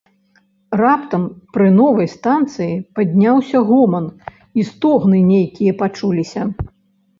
Раптам пры новай станцыі падняўся гоман і стогны нейкія пачуліся.